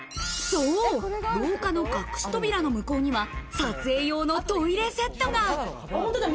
そう、廊下の隠し扉の向こうには、撮影用のトイレセットが。